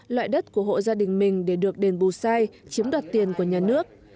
loại đất của hộ gia đình mình để được đền bù sai chiếm đoạt tiền của nhà nước